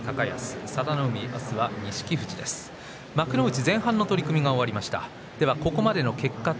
幕内前半の取組が終わりました。